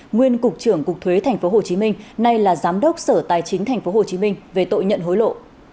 nguyên cục trưởng cục thuế tp hcm nay là giám đốc sở tài chính tp hcm về tội nhận hối lộ